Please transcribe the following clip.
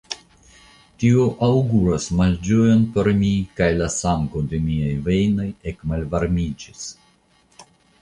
Tio aŭguras malĝojon por mi kaj la sango de miaj vejnoj ekmalvarmiĝis.